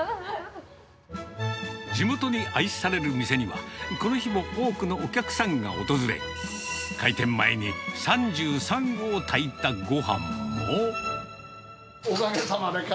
地元に愛される店には、この日も多くのお客さんが訪れ、開店前に３３合炊いたごはんも。